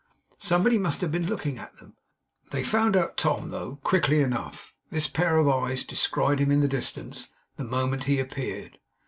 Somebody must have been looking at them! They found out Tom, though, quickly enough. This pair of eyes descried him in the distance, the moment he appeared.